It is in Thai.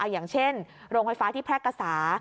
อย่างเช่นโรงไฟฟ้าที่แพร่กษา